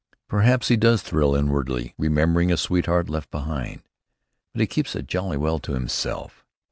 Perhaps he does thrill inwardly, remembering a sweetheart left behind. But he keeps it jolly well to himself.